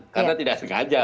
karena tidak sengaja